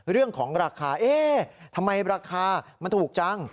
เรื่องของราคาเอ๊ะทำไมราคามันถูกจัง